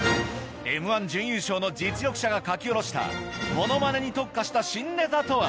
『Ｍ−１』準優勝の実力者が書き下ろしたものまねに特化した新ネタとは？